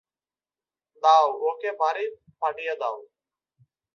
দাও ওকে বাড়ি পাঠিয়ে দাও।